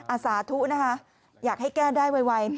สาธุนะคะอยากให้แก้ได้ไว